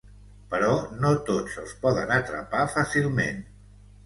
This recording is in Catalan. Però no tots els poden atrapar fàcilment.